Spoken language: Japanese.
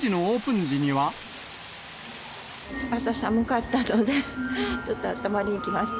朝寒かったので、ちょっとあったまりに来ました。